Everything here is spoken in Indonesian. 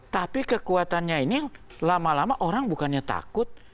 tapi kekuatannya ini yang lama lama orang bukannya takut